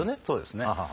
そうですね。